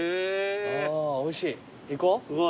おいしい。